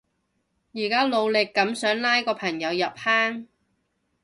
而家努力噉想拉個朋友入坑